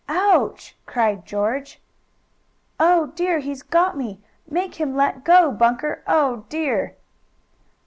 "Ouch!" cried George. "Oh dear! He's got me! Make him let go, Bunker! Oh, dear!"